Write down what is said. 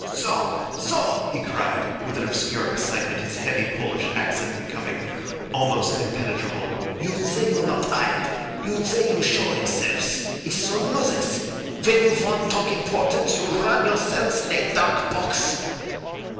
"Zso! Zso!" he cried, with an obscure excitement, his heavy Polish accent becoming almost impenetrable. "You zay you nod 'ide. You zay you show himselves. It is all nuzzinks. Ven you vant talk importance you run yourselves in a dark box!"